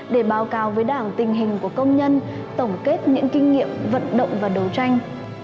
để báo cáo với đảng tình hình của công nhân tổng kết những kinh nghiệm vận động và đấu tranh